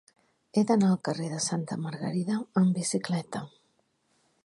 He d'anar al carrer de Santa Margarida amb bicicleta.